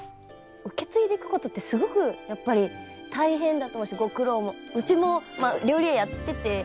受け継いでいくことってすごくやっぱり大変だと思うしご苦労もうちも料理屋やってて。